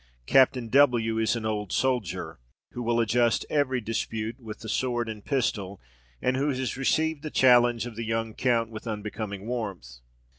Captain W. is an old soldier, who will adjust every dispute with the sword and pistol, and who has received the challenge of the young count with unbecoming warmth.